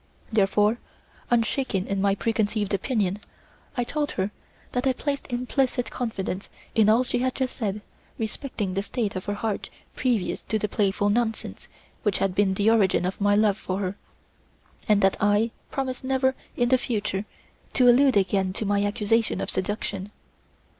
Therefore, unshaken in my preconceived opinion, I told her that I placed implicit confidence in all she had just said respecting the state of her heart previous to the playful nonsense which had been the origin of my love for her, and that I promised never in the future to allude again to my accusation of seduction.